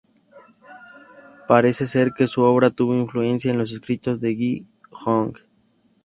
Parece ser que su obra tuvo influencia en los escritos de Ge Hong.